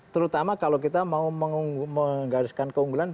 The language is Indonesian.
terutama kalau kita mau menggariskan keunggulan